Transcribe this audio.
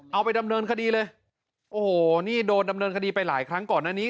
เอาไปดำเนินคดีเลยโอ้โหนี่โดนดำเนินคดีไปหลายครั้งก่อนหน้านี้